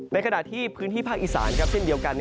ในขณะที่พื้นที่ภาคอีสานเช่นเดียวกัน